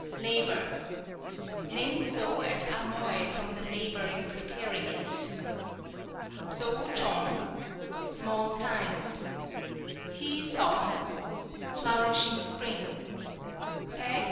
. Labor Named so at Amoy from the labor in preparing it. Sou chong ... Small Kind Hyson ... Flourishing Spring Pe koe ..